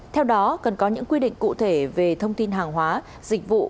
theo đó cần có những quy định cụ thể về thông tin hàng hóa dịch vụ